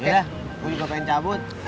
yaudah gue juga pengen cabut